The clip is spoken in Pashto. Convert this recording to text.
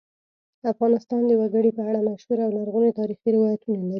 افغانستان د وګړي په اړه مشهور او لرغوني تاریخی روایتونه لري.